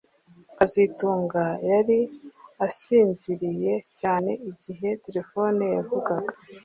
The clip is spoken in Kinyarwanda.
kazitunga yari asinziriye cyane igihe terefone yavugaga